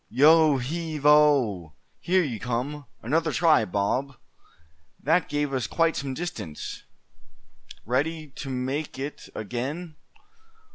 Yo heave o! here you come! Another try, Bob! That gave us quite some distance. Ready to make it again?